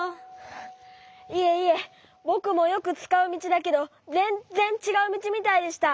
いえいえぼくもよくつかうみちだけどぜんっぜんちがうみちみたいでした。